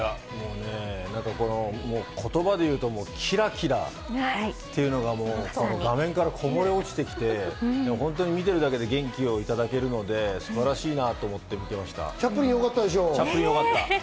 言葉で言うと、もうキラキラっていうのが画面からこぼれ落ちてきて、見ているだけで元気をいただけるので素晴らしいなとチャップリンよかったでしょう。